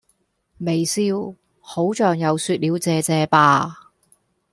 微笑...好像又說了謝謝吧